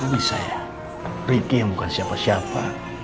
bisa ya ricky yang bukan siapa siapa